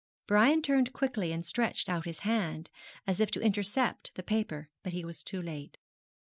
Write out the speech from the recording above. Brian turned quickly, and stretched out his hand, as if to intercept the paper; but he was too late.